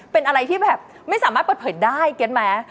เป็นอะไรที่แบบไม่สามารถเปิดเผยได้กันไหม